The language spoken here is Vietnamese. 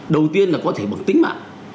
đầu tiên là có thể bằng tính mạng